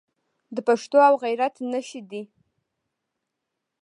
د پښتو او غیرت نښې دي.